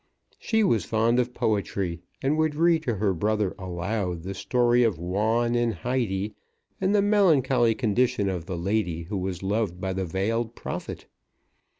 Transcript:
She was fond of poetry, and would read to her brother aloud the story of Juan and Haidee, and the melancholy condition of the lady who was loved by the veiled prophet.